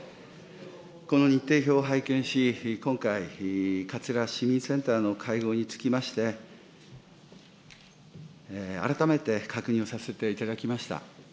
この日程表を拝見し、今回、桂市民センターの会合につきまして、改めて確認をさせていただきました。